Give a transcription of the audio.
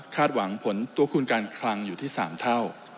หวังผลตัวคุณการคลังอยู่ที่๓เท่า